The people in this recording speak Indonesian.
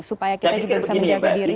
supaya kita juga bisa menjaga diri